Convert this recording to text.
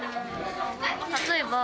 例えば